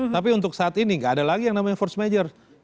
tapi untuk saat ini nggak ada lagi yang namanya force major